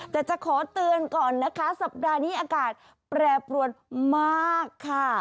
แต่จะขอเตือนก่อนนะคะสัปดาห์นี้อากาศแปรปรวนมากค่ะ